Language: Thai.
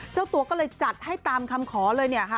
เจ้าตัวก็เลยจัดให้ตามคำขอเลย